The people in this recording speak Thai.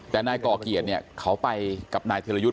แต่นายก่อเกียรติเนี่ยเขาไปกับนายธิรยุทธ์